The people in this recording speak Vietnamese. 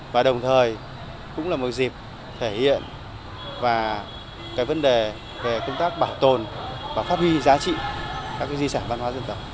và đồng thời cũng là một dịp thể hiện và cái vấn đề về công tác bảo tồn và phát huy giá trị các di sản văn hóa dân tộc